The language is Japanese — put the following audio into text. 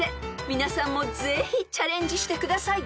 ［皆さんもぜひチャレンジしてください］